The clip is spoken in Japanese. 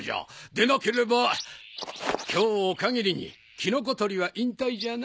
でなければ今日を限りにキノコとりは引退じゃな。